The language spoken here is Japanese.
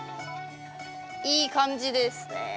いい感じですね。